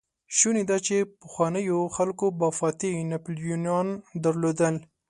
شونې ده، چې پخوانيو خلکو به فاتح ناپليونان درلودل.